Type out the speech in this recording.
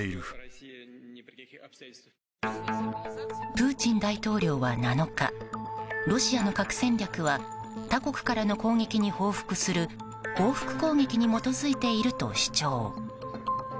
プーチン大統領は７日ロシアの核戦略は他国からの攻撃に報復する報復攻撃に基づいていると主張。